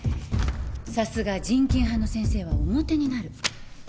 さすが人権派の先生はおモテになる。